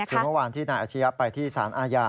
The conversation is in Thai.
คือเมื่อวานที่นายอาชียะไปที่สารอาญา